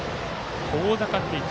遠ざかってきた。